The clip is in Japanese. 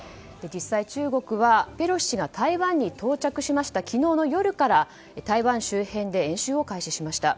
実際、中国はペロシ氏が台湾に到着した昨日の夜から台湾周辺で演習を開始しました。